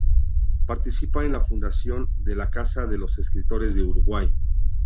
Participa en la fundación de la "Casa de los escritores" de Uruguay.